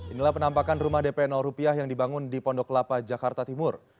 inilah penampakan rumah dp rupiah yang dibangun di pondok lapa jakarta timur